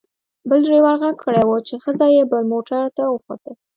بل ډریور غږ کړی و چې ښځه یې بل موټر ته وخوته.